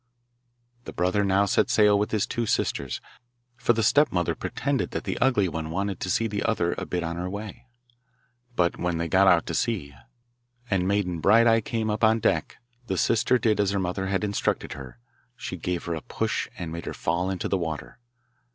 The brother now set sail with his two sisters, for the stepmother pretended that the ugly one wanted to see the other a bit on her way. But when they got out to sea, and Maiden Bright eye came up on deck, the sister did as her mother had instructed her she gave her a push and made her fall into the water.